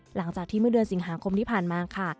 หลังจากที่เมื่อเดือนสิงหาคมที่ผ่านมาค่ะ